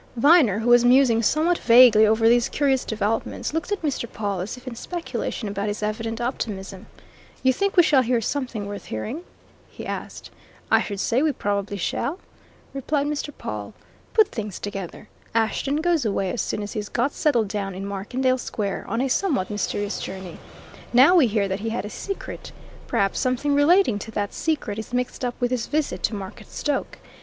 Viner, who was musing somewhat vaguely over these curious developments, looked at Mr. Pawle as if in speculation about his evident optimism. "You think we shall hear something worth hearing?" he asked. "I should say we probably shall," replied Mr. Pawle. "Put things together. Ashton goes away as soon as he's got settled down in Markendale Square on a somewhat mysterious journey. Now we hear that he had a secret. Perhaps something relating to that secret is mixed up with his visit to Marketstoke.